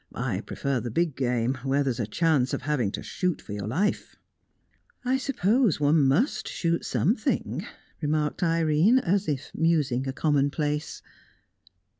I prefer the big game, where there's a chance of having to shoot for your life." "I suppose one must shoot something," remarked Irene, as if musing a commonplace.